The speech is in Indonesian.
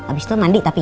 abis itu mandi tapi ya